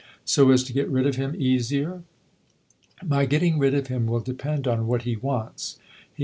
" So as to get rid of him easier ?"" My getting rid of him will depend on what he wants.